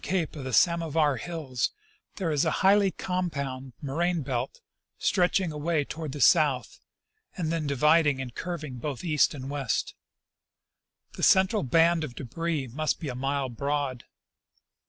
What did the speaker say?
cape of the Samovar hills there is a highly compound moraine belt stretching away toward the south, and then divid ing and curving both east and west. The central band of debris must be a mile broad.